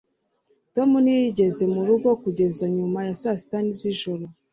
tom ntiyageze mu rugo kugeza nyuma ya saa sita z'ijoro